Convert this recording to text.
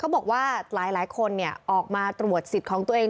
บอกว่าหลายคนออกมาตรวจสิทธิ์ของตัวเอง